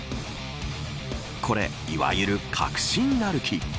これ、いわゆる確信歩き。